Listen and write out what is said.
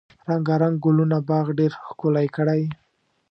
رنګارنګ ګلونه باغ ډیر ښکلی کړی.